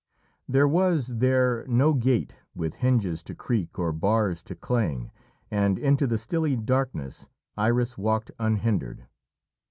There was there no gate with hinges to creak or bars to clang, and into the stilly darkness Iris walked unhindered.